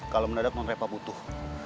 kalau menadap non reva butuh